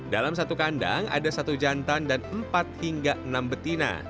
dalam satu kandang ada satu jantan dan empat hingga enam betina